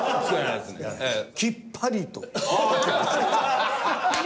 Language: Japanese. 「きっぱりと」。